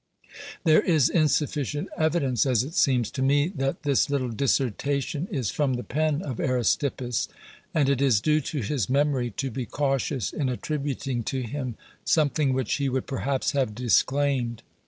There is insufficient evidence, as it seems to me, that this little dissertation is from the pen of Aristippus, and it is due to his memory to be cautious in attributing to him something which he would perhaps have disclaimed.